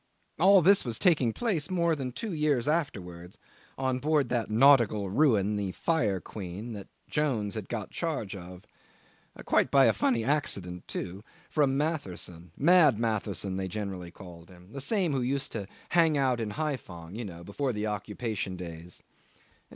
'All this was taking place, more than two years afterwards, on board that nautical ruin the Fire Queen this Jones had got charge of quite by a funny accident, too from Matherson mad Matherson they generally called him the same who used to hang out in Hai phong, you know, before the occupation days.